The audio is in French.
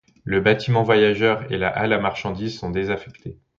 Le bâtiment voyageurs et la halle à marchandises sont désaffectés.